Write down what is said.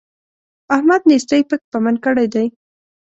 احمد نېستۍ پک پمن کړی دی.